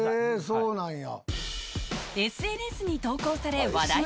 そうなんや。